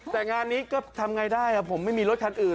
แต่งานนี้ก็ทำไงได้ผมไม่มีรถคันอื่น